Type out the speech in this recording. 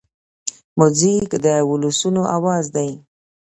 موزیک د ولسونو آواز دی.